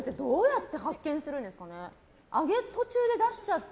って。